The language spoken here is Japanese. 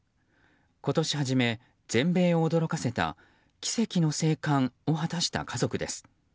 今年初め、全米を驚かせた奇跡の生還を果たした家族です。